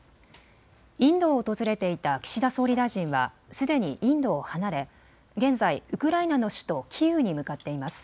インドを訪れていた岸田総理大臣はすでにインドを離れ現在ウクライナの首都キーウに向かっています。